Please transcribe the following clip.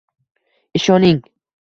ishoning